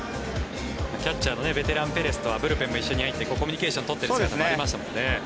キャッチャーのベテランペレスとはブルペンに一緒に入ってコミュニケーションを取っている姿もありましたもんね。